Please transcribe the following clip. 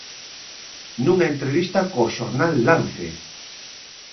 Nunha entrevista co xornal Lance!